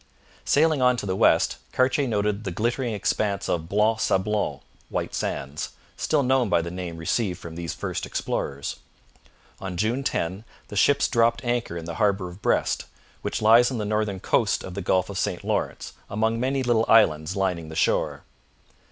Sailing on to the west, Cartier noted the glittering expanse of Blanc Sablon (White Sands), still known by the name received from these first explorers. On June 10 the ships dropped anchor in the harbour of Brest, which lies on the northern coast of the Gulf of St Lawrence among many little islands lining the shore.